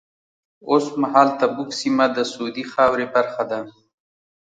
اوس مهال تبوک سیمه د سعودي خاورې برخه ده.